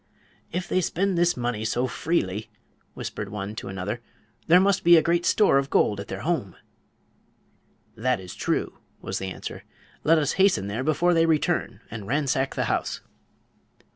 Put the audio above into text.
"If they spend this money so freely," whispered one to another, "there must be a great store of gold at their home." "That is true," was the answer. "Let us hasten there before they return and ransack the house."